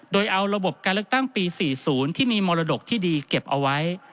โดยเอาระบบการเลือกตั้งปี๔๐ที่มีมรดกที่ดีเก็บเอาไว้